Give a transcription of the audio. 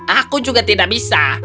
aku juga tidak bisa